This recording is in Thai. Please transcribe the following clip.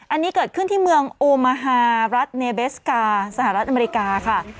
อันนี้เกิดขึ้นที่เมืองโอมาฮารัฐเนเบสกาสหรัฐอเมริกาค่ะ